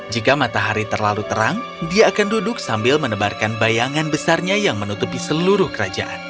jika matahari terlalu terang dia akan duduk sambil menebarkan bayangan besarnya yang menutupi seluruh kerajaan